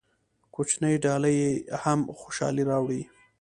کوچنۍ ډالۍ هم خوشحالي راوړي.